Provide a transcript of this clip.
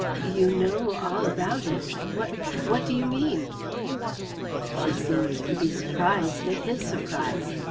"You know all about it? What what do you mean?" She seemed to be surprised at his surprise.